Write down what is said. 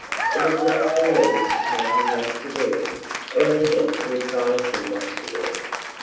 It is not for me to tell him what to do, or even to advise him what to do.